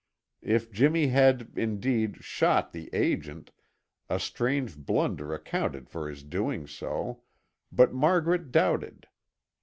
If Jimmy had, indeed, shot the agent, a strange blunder accounted for his doing so, but Margaret doubted.